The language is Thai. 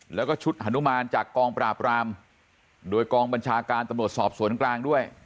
แล้วก็ชุดฮานุมานจากกองปราบรามโดยกองบัญชาการตำรวจสอบสวนกลางด้วย